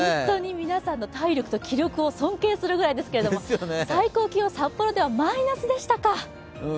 皆さんの体力と気力を尊敬するくらいですが、最高気温、札幌ではマイナスでしたか。